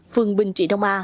phương bình trị đông a